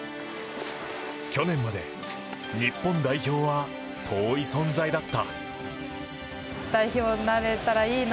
去年まで日本代表は遠い存在だった。